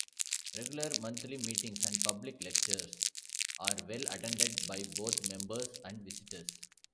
Regular monthly meetings and public lectures are well attended by both members and visitors.